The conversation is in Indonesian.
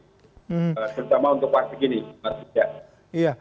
terutama untuk partik ini